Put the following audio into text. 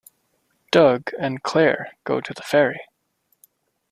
Doug and Claire go to the ferry.